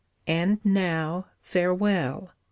"And now farewell!